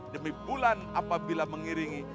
demi bulan apabila mengiringi